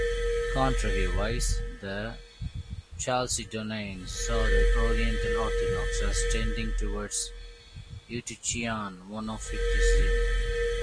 Contrariwise, the Chalcedonians saw the Oriental Orthodox as tending towards Eutychian Monophysitism.